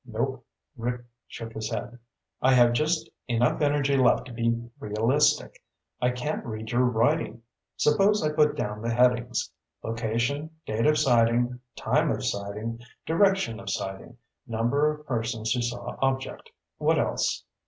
"Nope." Rick shook his head. "I have just enough energy left to be realistic. I can't read your writing. Suppose I put down the headings. Location, date of sighting, time of sighting, direction of sighting, number of persons who saw object. What else?"